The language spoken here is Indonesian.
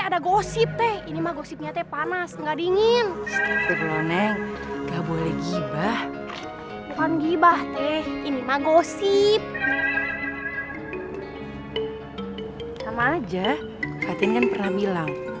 neng nggak boleh ghibah